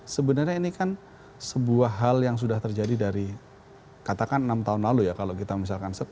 sebenarnya ini kan sebuah hal yang sudah terjadi dari katakan enam tahun lalu ya kalau kita misalkan